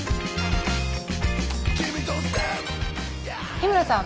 日村さん